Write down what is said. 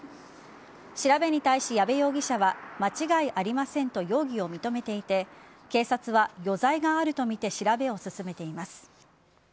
調べに対し矢部容疑者は間違いありませんと容疑を認めていて警察は余罪があるとみて調べを進めています。